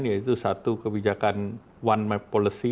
yaitu satu kebijakan one map policy